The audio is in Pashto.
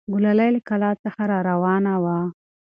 ګلالۍ له کلا څخه راروانه وه.